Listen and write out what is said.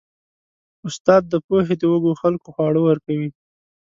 استاد د پوهې د وږو خلکو خواړه ورکوي.